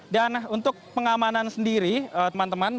dan untuk pengamanan sendiri teman teman